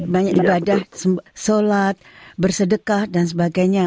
banyak ibadah sholat bersedekah dan sebagainya